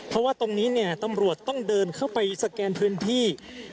เพราะว่าตรงนี้เนี่ยตำรวจต้องเดินเข้าไปสแกนพื้นที่